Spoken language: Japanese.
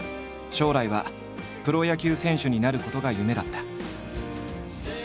将来はプロ野球選手になることが夢だった。